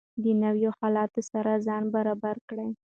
د نویو حالاتو سره ځان برابر کړئ.